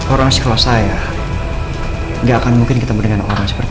orang sekelom saya nggak akan mungkin ketemu dengan orang seperti itu